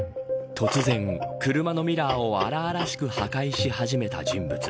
突然、車のミラーを荒々しく破壊し始めた人物。